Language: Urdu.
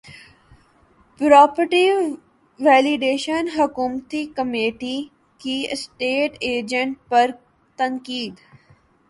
پراپرٹی ویلیوایشن حکومتی کمیٹی کی اسٹیٹ ایجنٹس پر تنقید